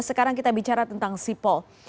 sekarang kita bicara tentang sipol